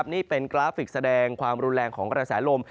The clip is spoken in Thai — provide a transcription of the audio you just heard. นี่เป็นกราฟิกแสดงความรุนแรงของกระแสลม